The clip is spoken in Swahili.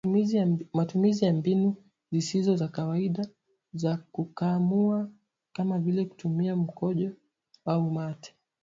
Matumizi ya mbinu zisizo za kawaida za kukamua kama vile kutumia mkojo na mate